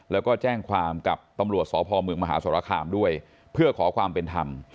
แล้วก็แจ้งความกับตำรวจสพเมืองมหาสรคามด้วยเพื่อขอความเป็นธรรม